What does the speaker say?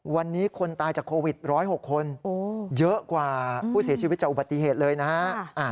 วันนี้คนตายจากโควิด๑๐๖คนเยอะกว่าผู้เสียชีวิตจากอุบัติเหตุเลยนะฮะ